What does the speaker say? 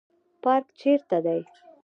پارک چیرته دی؟